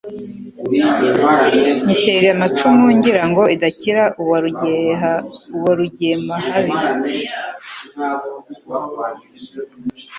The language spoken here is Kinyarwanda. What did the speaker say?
Nyitera amacumu ngira ngo idakira uwa Rugemahabi